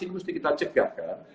ini mesti kita cegahkan